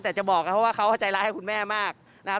แต่จะบอกกันเพราะว่าเขาใจร้ายให้คุณแม่มากนะครับ